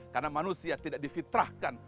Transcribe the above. karena manusia tidak divitrahkan